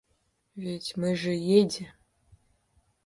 — Ведь мы же едем.